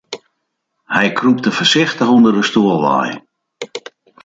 Hy krûpte foarsichtich ûnder de stoel wei.